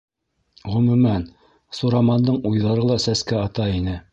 Ғөмүмән, Сурамандың уйҙары ла сәскә ата ине.